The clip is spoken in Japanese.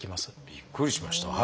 びっくりしました。